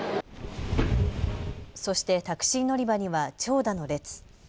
そしてタクシー乗り場には長蛇の列。